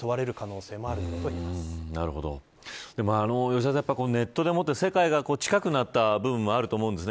吉田さん、ネットでもって世界が近くなった部分もあると思うんです。